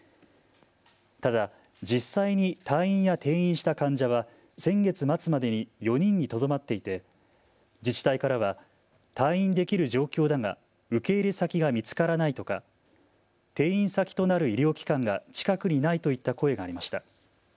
ただ実際に退院や転院した患者は先月末までに４人にとどまっていて自治体からは退院できる状況だが受け入れ先が見つからないとか、転院先となる医療機関が近くにないといった声がありました。